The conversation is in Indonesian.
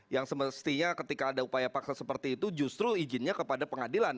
yang semestinya ketika ada upaya paksa seperti itu justru izinnya kepada pengadilan